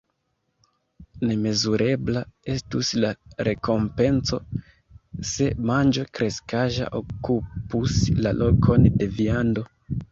Nemezurebla estus la rekompenco, se manĝo kreskaĵa okupus la lokon de viando.